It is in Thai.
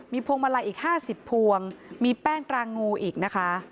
พวงมาลัยอีก๕๐พวงมีแป้งตรางูอีกนะคะ